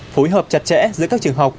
phối hợp chặt chẽ giữa các trường học